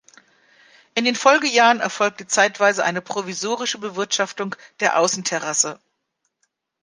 In den Folgejahren erfolgte zeitweise eine provisorische Bewirtschaftung der Außenterrasse.